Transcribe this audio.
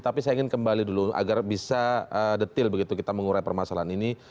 tapi saya ingin kembali dulu agar bisa detil begitu kita mengurai permasalahan ini